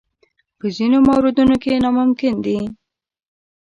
په ځینو موردونو کې ناممکن دي.